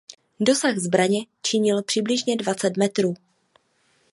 Dosah zbraně činil přibližně dvacet metrů.